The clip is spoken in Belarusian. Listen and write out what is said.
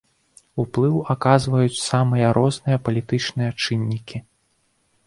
Уплыў аказваюць самыя розныя палітычныя чыннікі.